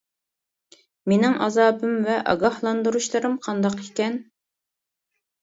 مېنىڭ ئازابىم ۋە ئاگاھلاندۇرۇشلىرىم قانداق ئىكەن!